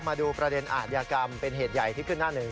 มาดูประเด็นอาทยากรรมเป็นเหตุใหญ่ที่ขึ้นหน้าหนึ่ง